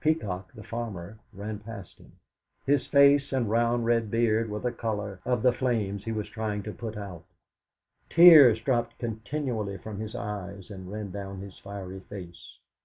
Peacock, the farmer, ran past him; his face and round red beard were the colour of the flames he was trying to put out; tears dropped continually from his eyes and ran down that fiery face.